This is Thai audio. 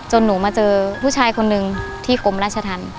หนูมาเจอผู้ชายคนนึงที่กรมราชธรรม